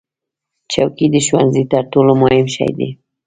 چوکۍ د ښوونځي تر ټولو مهم شی دی.